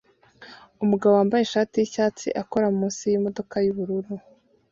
Umugabo wambaye ishati yicyatsi akora munsi yimodoka yubururu